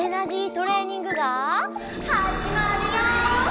トレーニングがはじまるよ！